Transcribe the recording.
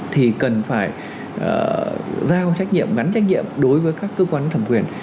thì cần phải giao trách nhiệm gắn trách nhiệm đối với các cơ quan thẩm quyền